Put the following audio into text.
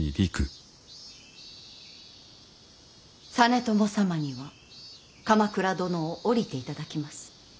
実朝様には鎌倉殿を降りていただきます。